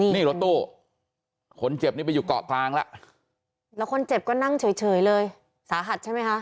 นี่รถตู้คนเจ็บนี้ไปอยู่เกาะกลางแล้วแล้วคนเจ็บก็นั่งเฉยเฉยเลยสาหัสใช่ไหมคะ